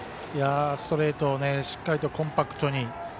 ストレートをしっかりとコンパクトに。